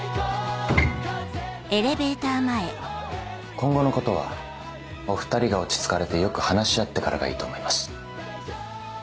今後のことはお２人が落ち着かれてよく話し合ってからがいいと思います。